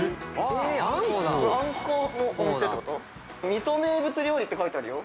「水戸名物料理」って書いてあるよ。